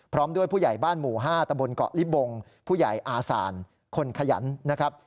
พร้อมด้วยผู้ใหญ่บ้านหมู่๕ตะบนเกาะลิบงผู้ใหญ่อาสานคนขยันนะครับ